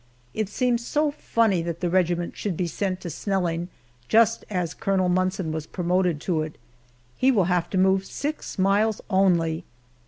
It seems so funny that the regiment should be sent to Snelling just as Colonel Munson was promoted to it. He will have to move six miles only!